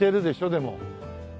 でも。